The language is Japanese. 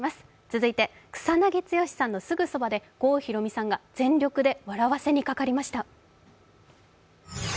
続いて草なぎ剛さんのすぐそばで郷ひろみさんが全力で笑わせにかかりました。